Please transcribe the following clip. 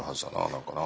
何かな。